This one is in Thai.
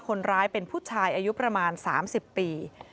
คนร้ายเป็นผู้ชายอายุประมาณ๓๐ปี